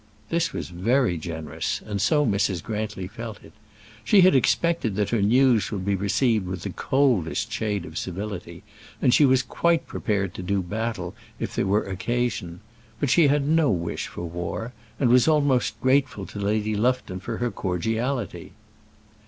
This was very generous, and so Mrs. Grantly felt it. She had expected that her news would be received with the coldest shade of civility, and she was quite prepared to do battle if there were occasion. But she had no wish for war, and was almost grateful to Lady Lufton for her cordiality.